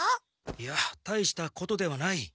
いや大したことではない。